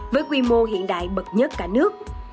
với quy mô hiện đại bậc nhất cả nước